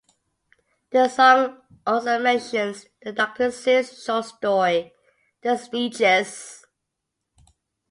The song also mentions the Doctor Seuss short story "The Sneetches".